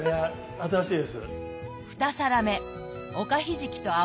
新しいです。